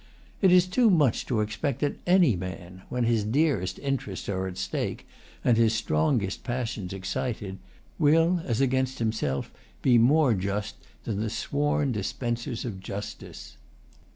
It is too much to expect that any man, when his dearest interests are at stake, and his strongest passions excited, will, as against himself, be more just than the sworn dispensers of justice.